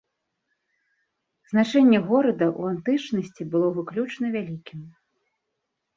Значэнне горада ў антычнасці было выключна вялікім.